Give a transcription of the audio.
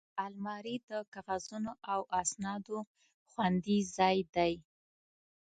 الماري د کاغذونو او اسنادو خوندي ځای دی